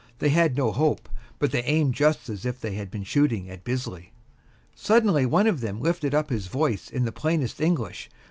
They had no hope; but they aimed just as if they had been shooting at Bisley. Suddenly one of them lifted up his voice in the plainest English.